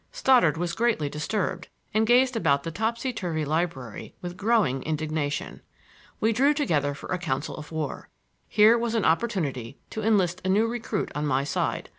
Stoddard was greatly disturbed, and gazed about the topsy turvy library with growing indignation. We drew together for a council of war. Here was an opportunity to enlist a new recruit on my side.